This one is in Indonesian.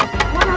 mana harimau itu